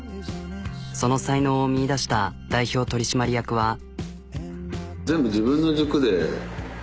その才能を見いだした代表取締役は。